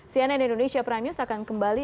cnn indonesia prime news akan kembali